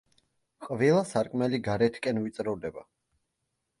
ყველა სარკმელი გარეთკენ ვიწროვდება.